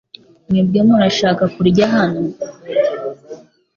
Mwebwe murashaka kurya hano?